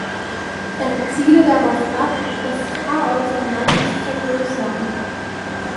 Er ziele darauf ab, „das Chaos im Land zu vergrößern“.